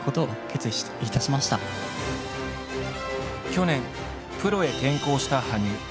去年プロへ転向した羽生。